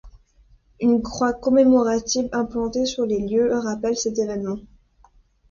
Une croix commémorative implantée sur les lieux rappelle cet événement.